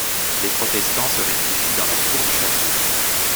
Les protestants se réfugient dans la tour du château.